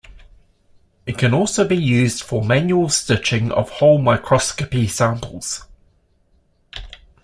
It can be also used for manual stitching of whole microscopy samples.